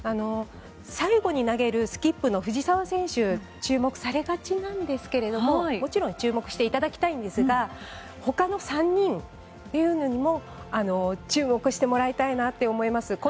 最後に投げるスキップの藤澤選手注目されがちなんですけれどももちろん注目していただきたいんですが他の３人も注目してもらいたいなと思います。